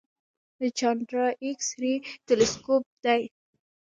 د چانډرا ایکس رې تلسکوپ دی.